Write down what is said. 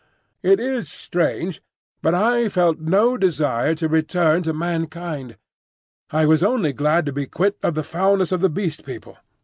It is strange, but I felt no desire to return to mankind. I was only glad to be quit of the foulness of the Beast People.